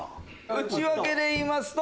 内訳で言いますと。